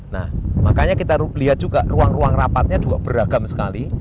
nah makanya kita lihat juga ruang ruang rapatnya juga beragam sekali